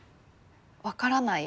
分からない